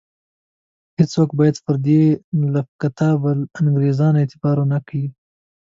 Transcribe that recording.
هیڅوک باید پر دې لافکتابه انګرېزانو اعتبار ونه کړي.